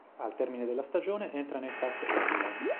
Al termine della stagione, entra nel cast regular.